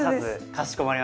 かしこまりました！